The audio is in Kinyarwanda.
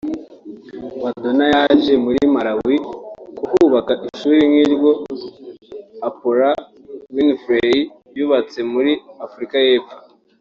Madonna yaje muri Malawi kuhubaka ishuri nk’iryo Oprah Winfrey yubatse muri Afurika y’Epfo